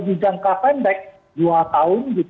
di jangka pendek dua tahun